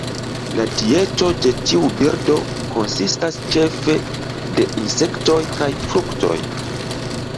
La dieto de tiu birdo konsistas ĉefe de insektoj kaj fruktoj.